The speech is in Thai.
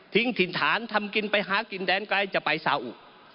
ถิ่นฐานทำกินไปหากินแดนไกลจะไปซาอุ